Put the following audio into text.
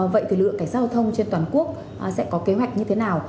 vậy thì lực lượng cải trang giao thông trên toàn quốc sẽ có kế hoạch như thế nào